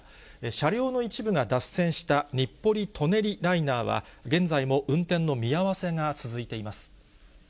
車両の一部が脱線した日暮里・舎人ライナーは、現在も運転の見合わせが続いています。